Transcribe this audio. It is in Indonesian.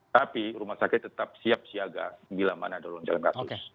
tapi rumah sakit tetap siap siaga bila mana ada lonjakan kasus